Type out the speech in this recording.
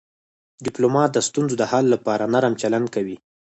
ډيپلومات د ستونزو د حل لپاره نرم چلند کوي.